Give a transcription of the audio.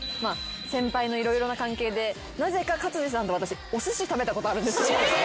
先輩の色々な関係でなぜか勝地さんと私おすし食べたことあるんですよ。